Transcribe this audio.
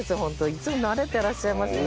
いつも慣れてらっしゃいますね。